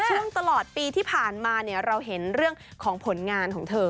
ช่วงตลอดปีที่ผ่านมาเราเห็นเรื่องของผลงานของเธอ